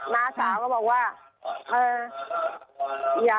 มาสาวก็บอกว่า